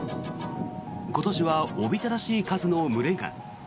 今年はおびただしい数の群れが。